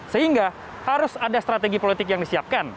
sehingga harus ada strategi politik yang disiapkan